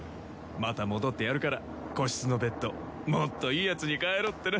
また戻ってやるから個室のベッドもっといいやつに変えろってな。